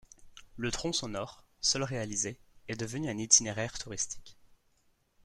Le tronçon nord, seul réalisé, est devenu un itinéraire touristique.